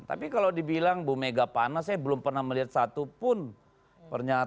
tapi kalau dibilang bumega panas saya belum pernah melihat satu pun pernyataan